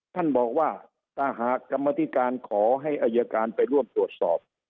ท่านบอกว่าถ้าหากกรรมธิการขอให้อายการไปร่วมตรวจสอบ